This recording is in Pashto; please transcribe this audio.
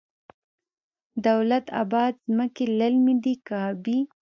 دولت اباد ځمکې للمي دي که ابي؟